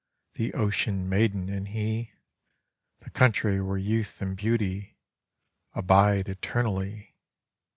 The ocean maiden and he, — The country where youth and beauty Abide eternally.